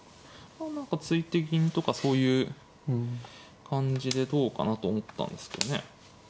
何か突いて銀とかそういう感じでどうかなと思ったんですけどね。